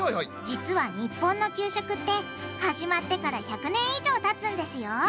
実は日本の給食って始まってから１００年以上たつんですよ